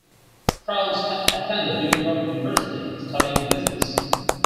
Prall attended New York University, studying business.